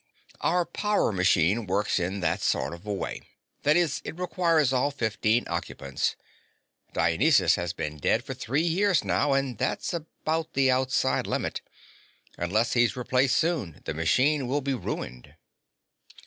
"Our power machine works in that sort of way. That is, it requires all fifteen occupants. Dionysus has been dead for three years now, and that's about the outside limit. Unless he's replaced soon, the machine will be ruined."